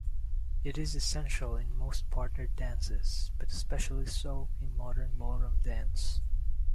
It is essential in most partner dances, but especially so in modern ballroom dance.